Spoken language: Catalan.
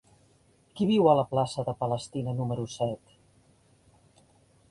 Qui viu a la plaça de Palestina número set?